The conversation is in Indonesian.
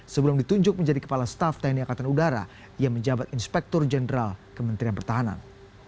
sebelum ditunjuk menjadi kepala staff tni angkatan udara ia menjabat inspektur jenderal kementerian pertahanan